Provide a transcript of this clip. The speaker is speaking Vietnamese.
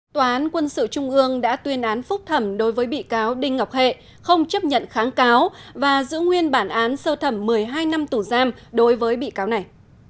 tòa án quân sự trung ương đã tuyên án phúc thẩm đối với bị cáo đinh ngọc hệ không chấp nhận kháng cáo và giữ nguyên bản án sơ thẩm một mươi hai năm tù giam đối với bị cáo này